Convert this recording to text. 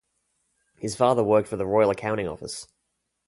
His father worked for the Royal Accounting Office.